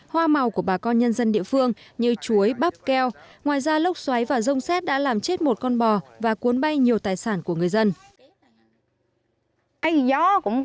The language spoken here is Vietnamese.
hoa màu và nhiều vật dụng